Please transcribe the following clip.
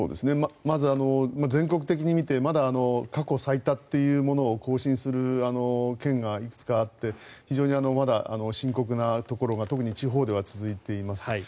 まず、全国的に見てまだ過去最多というものを更新する県がいくつかあって非常にまだ深刻なところが特に地方では続いています。